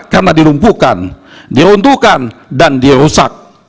karena dilumpuhkan diruntuhkan dan dirusak